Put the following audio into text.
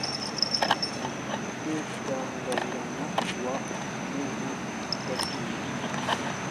Mutekangabirano wa Muvugatuje